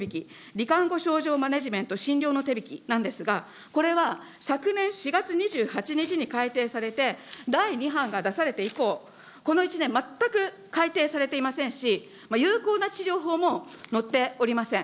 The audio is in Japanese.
り患後症状マネジメント診療の手引なんですが、これは昨年４月２８日にかいていされて、第２版が出されて以降、この１年、全くかいていされていませんし、有効な治療法も載っておりません。